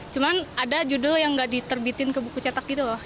cuman ada judul yang nggak diterbitin ke buku cetak gitu loh